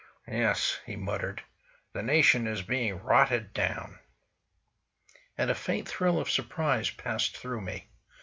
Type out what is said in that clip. "Yes," he muttered, "the nation is being rotted down." And a faint thrill of surprise passed through me.